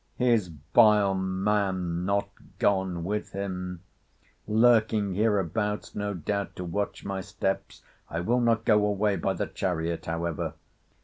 'His vile man not gone with him!—Lurking hereabouts, no doubt, to watch my steps!—I will not go away by the chariot, however.